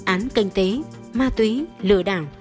án kinh tế ma túy lừa đảo